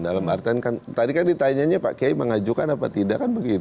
dalam artian kan tadi kan ditanya pak kiai mengajukan apa tidak kan begitu